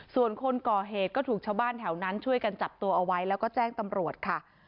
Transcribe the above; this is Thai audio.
ส่วนคนก่อเหตุก็ถูกชาวบ้านแถวนั้นช่วยกันจับตัวเอาไว้แล้วก็แจ้งตำรวจค่ะ